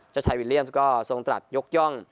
ชายวิลเลียมก็ทรงตรัสยกย่อง